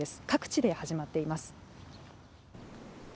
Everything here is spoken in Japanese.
各地で始まっています。